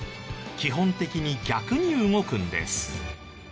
基本的に逆に動くんです。